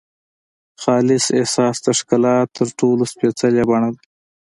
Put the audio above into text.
خالص احساس د ښکلا تر ټولو سپېڅلې بڼه ده.